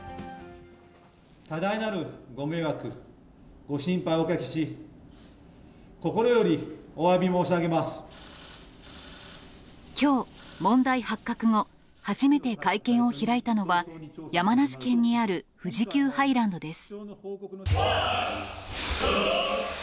多大なるご迷惑、ご心配をおかけし、きょう、問題発覚後、初めて会見を開いたのは、山梨県にある富士急ハイランドです。